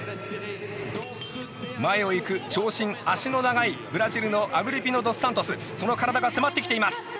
前を行く長身足の長いブラジルのアグリピノドスサントスその体が迫ってきています。